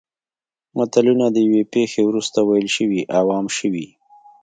متلونه د یوې پېښې وروسته ویل شوي او عام شوي